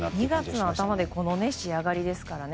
２月の頭でこの仕上がりですからね。